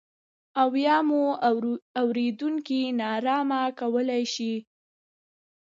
او یا مو اورېدونکي نا ارامه کولای شي.